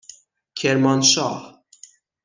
کرمانشاه